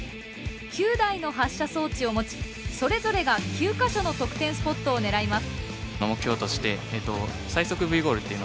９台の発射装置を持ちそれぞれが９か所の得点スポットを狙います。